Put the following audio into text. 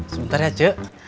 sebentar ya cik